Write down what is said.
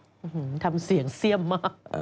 อื้อหือทำเสี่ยงเสี้ยมมาก